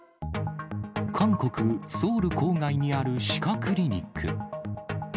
韓国・ソウル郊外にある歯科クリニック。